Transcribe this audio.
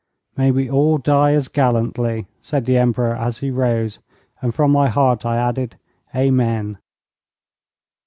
'May we all die as gallantly,' said the Emperor, as he rose, and from my heart I added 'Amen.'